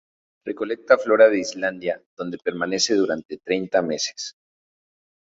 Recolecta flora de Islandia donde permanece durante treinta meses.